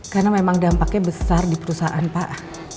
karena memang dampaknya besar di perusahaan pak